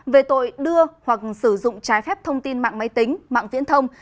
về tội đưa hoặc sử dụng trái phép thông tin mạng máy tính mạng viễn thông